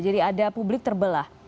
jadi ada publik terbelah